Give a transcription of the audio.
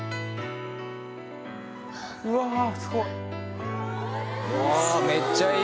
うわあすごい！